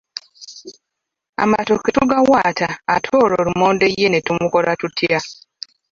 Amatooke tugawaata ate olwo lumonde ye ne tumukola tutya?